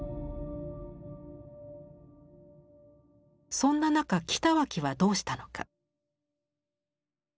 そんな中北脇はどうしたのか。